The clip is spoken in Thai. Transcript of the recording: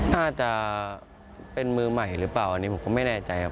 น่าจะเป็นมือใหม่หรือเปล่าอันนี้ผมก็ไม่แน่ใจครับ